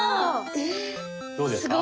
どうですか？